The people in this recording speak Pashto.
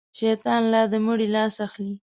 شيطان لا د مړي لاس اخلي.